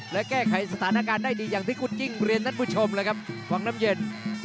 และแก้ไขสถานการณ์ได้ดีอย่างที่คุณจิ้งเรียนท่านผู้ชมเลยครับวังน้ำเย็น